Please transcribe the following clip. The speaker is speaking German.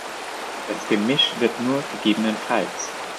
Das Gemisch wird nur ggf.